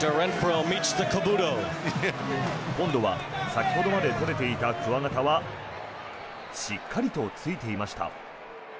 今度は先ほどまで取れていたくわ形はしっかりとついていました。